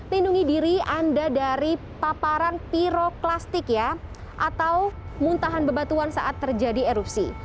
lindungi diri anda dari paparan piroklastik ya atau muntahan bebatuan saat terjadi erupsi